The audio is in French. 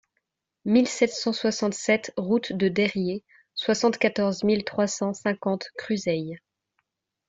mille sept cent soixante-sept route de Deyrier, soixante-quatorze mille trois cent cinquante Cruseilles